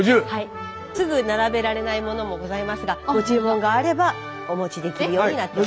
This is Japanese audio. すぐ並べられないものもございますがご注文があればお持ちできるようになっています。